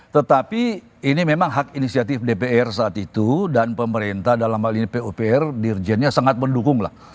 tetapi ini memang hak inisiatif dpr saat itu dan pemerintah dalam hal ini pupr dirjennya sangat mendukung lah